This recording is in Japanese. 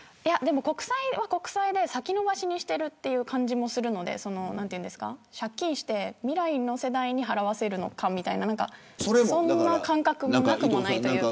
国債は国債で先延ばしにしてる感じがするので借金して未来の世代に払わせるのかとかそういう感覚もなくもないというか。